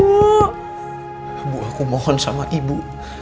ibu aku mohon sama ibu